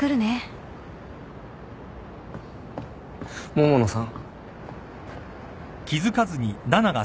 桃野さん。